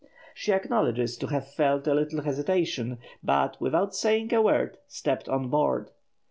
She acknowledges to have felt a little hesitation, but, without saying a word, stepped "on board."